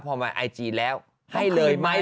พอมาไอจีแล้วให้เลยไหม